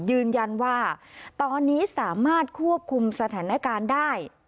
ยืนยันว่าตอนนี้สามารถควบคุมสถานการณ์ได้